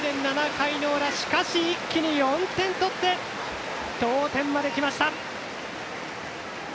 ７回の裏しかし一気に４点取って同点まできました。